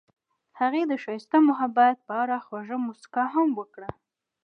هغې د ښایسته محبت په اړه خوږه موسکا هم وکړه.